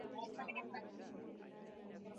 inasemekana kuwa meli hiyo kwa jina yuang